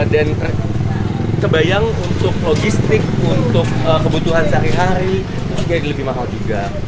dan terbayang untuk logistik untuk kebutuhan sehari hari itu jadi lebih mahal juga